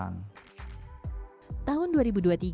dan mencapai keuntungan secara berkelanjutan